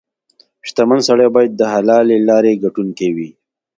• شتمن سړی باید د حلالې لارې ګټونکې وي.